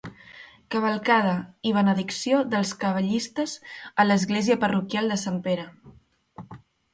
Cavalcada i benedicció dels cavallistes a l'església parroquial de Sant Pere.